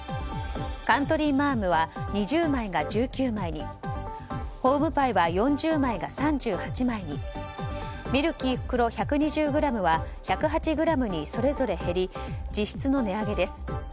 カントリーマアムは２０枚が１９枚にホームパイは４０枚が３８枚にミルキー袋１２０ｇは１０８ｇにそれぞれ減り実質の値上げです。